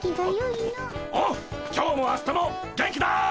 ああ今日も明日も元気だ！